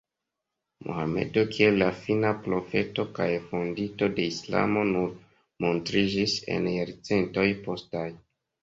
Mohamedo kiel la Fina Profeto kaj fondinto de islamo nur montriĝis en jarcentoj postaj.